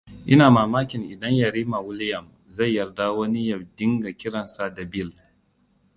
Ina mamakin idan Yarima Willam zai yarda wani ya dinga kiransa da Bill.